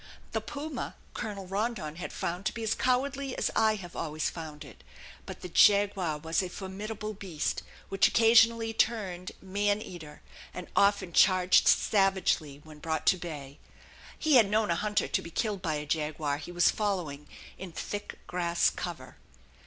The puma Colonel Rondon had found to be as cowardly as I have always found it, but the jaguar was a formidable beast, which occasionally turned man eater, and often charged savagely when brought to bay. He had known a hunter to be killed by a jaguar he was following in thick grass cover.